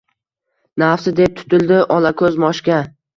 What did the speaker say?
Nafsi deb tutildi olako‘z Moshga!